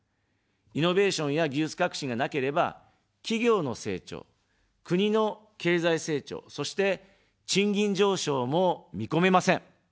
イノベーションや技術革新がなければ、企業の成長、国の経済成長、そして、賃金上昇も見込めません。